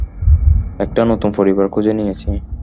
একটা নতুন পরিবার খুঁজে নিয়েছি।